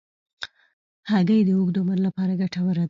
هګۍ د اوږد عمر لپاره ګټوره ده.